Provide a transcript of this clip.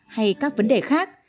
hay các vấn đề khác